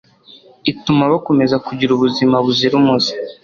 ituma bakomeza kugira ubuzima buzira umuze